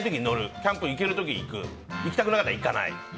キャンプに行ける時に行く行きたくなければ行かない。